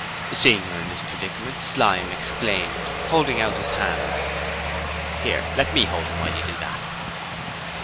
Seeing her in this predicament, Slyme exclaimed, holding out his hands: 'Here, let me hold him while you do that.'